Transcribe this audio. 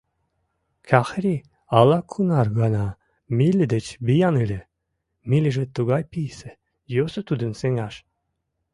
Кӓхри ала-кунар гана Милли деч виян ыле, Миллиже тугай писе — йӧсӧ тудым сеҥаш.